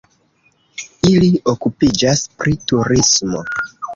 Ili okupiĝas pri turismo.